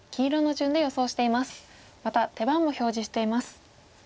また手番も表示しています。